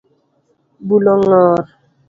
Bulo ngor